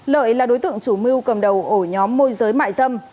lợi là đối tượng chủ mưu cầm đầu ổ nhóm môi giới mại dâm